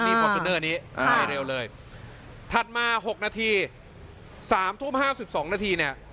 นี้นี่เร็วเลยสามทุ่มห้าสิบสองนาทีเนี้ย